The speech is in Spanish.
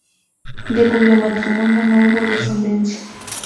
De cuyo matrimonio no hubo descendencia.